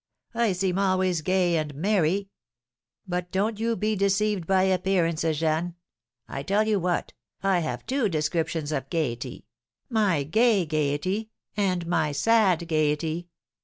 I seem always gay and merry; but don't you be deceived by appearances, Jeanne! I tell you what, I have two descriptions of gaiety, my gay gaiety, and my sad gaiety.